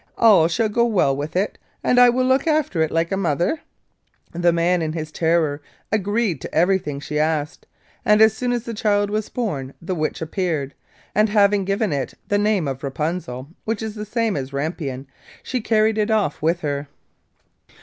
All shall go well with it, and I will look after it like a mother.' The man in his terror agreed to everything she asked, and as soon as the child was born the Witch appeared, and having given it the name of Rapunzel, which is the same as rampion, she carried it off with her.